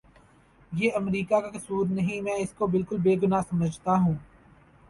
یہ امریکہ کا کسور نہیں میں اس کو بالکل بے گناہ سمجھتا ہوں